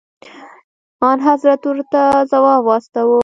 انحضرت ورته ځواب واستوه.